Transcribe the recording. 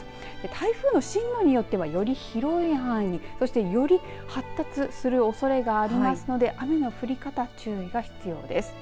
台風の進路によってはより広い範囲にそして、より発達するおそれがありますので雨の降り方、注意が必要です